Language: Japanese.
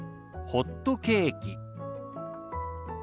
「ホットケーキ」。